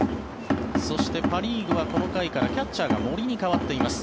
そしてパ・リーグは、この回からキャッチャーが森に代わっています。